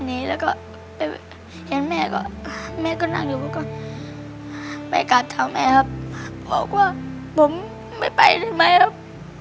หนีแล้วก็เย็นแม่ก็แม่ก็นั่งอยู่แล้วก็ไปกลับเท้าแม่ครับบอกว่าผมไม่ไปเลยไหมครับ